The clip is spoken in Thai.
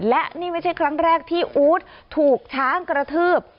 และนี่ไม่ใช่ครั้งแรกที่อู๊ดถูกช้างกระทืบ